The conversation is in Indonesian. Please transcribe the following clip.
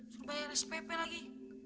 suruh bayar spp lagi